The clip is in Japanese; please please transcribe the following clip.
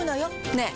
ねえ。